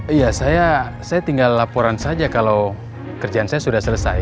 iya saya tinggal laporan saja kalau kerjaan saya sudah selesai